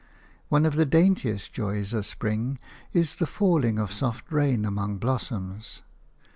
One of the daintiest joys of spring is the falling of soft rain among blossoms.